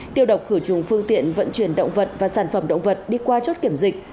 tiêu độc khử trùng phương tiện vận chuyển động vật và sản phẩm động vật đi qua chốt kiểm dịch